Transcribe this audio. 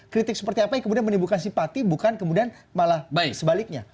kritik seperti apa yang kemudian menimbulkan simpati bukan kemudian malah sebaliknya